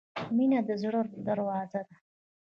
• مینه د زړۀ درزا ده.